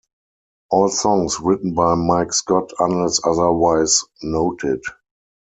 All songs written by Mike Scott, unless otherwise noted.